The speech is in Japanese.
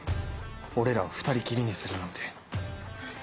俺らを２人きりにするなんて